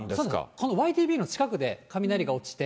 このｙｔｖの近くで雷が落ちて。